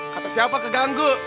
kata siapa keganggu